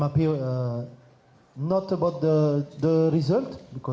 dengan ide yang sama